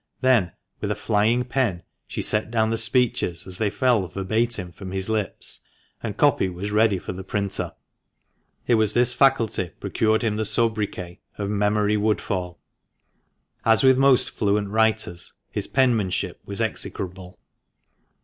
Then, with a flying pen, she set down the speeches as they fell verbatim .rom his lips, and "copy" was ready for the printer. It was this faculty procured him the soubriquet of "Memory Woodfall." AS with most fluent writers, her penmanship was execrable.